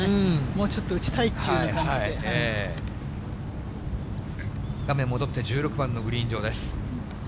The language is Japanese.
もうちょっと打ちたいっていう感画面戻って、１６番のグリーン上です。